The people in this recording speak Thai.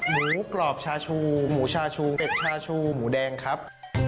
หมูกรอบชาชูหมูชาชูเป็ดชาชูหมูแดงครับ